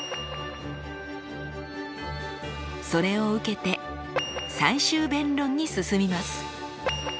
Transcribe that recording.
それを受けて最終弁論に進みます。